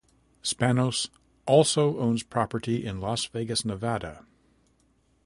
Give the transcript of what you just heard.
Spanos also owns property in Las Vegas, Nevada.